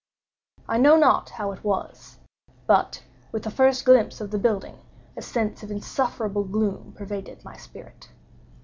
I know not how it was—but, with the first glimpse of the building, a sense of insufferable gloom pervaded my spirit.